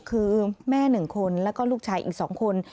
คือแม่๑คนแล้วก็ลูกชายอีก๒คน